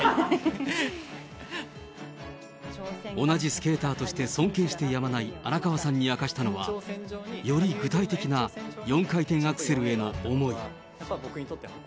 同じスケーターとして尊敬してやまない荒川さんに明かしたのは、より具体的な４回転アクセルへの思い。